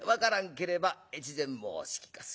ければ越前申し聞かす。